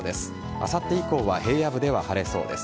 あさって以降は平野部で晴れそうです。